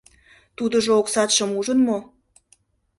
— Тудыжо оксатшым ужын мо?